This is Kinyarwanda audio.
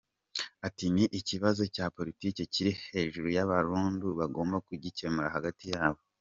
Ati “Ni ikibazo cya politiki kiri hejuru y’abarundi, bagomba kugikemura hagati yabo.